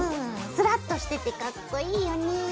スラッとしててかっこいいよね。